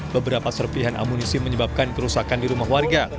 beberapa serpihan amunisi menyebabkan kerusakan di rumah warga